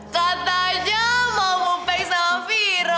katanya mau bupe sama viro